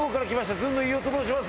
ずんの飯尾と申します。